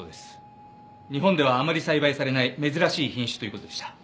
日本ではあまり栽培されない珍しい品種という事でした。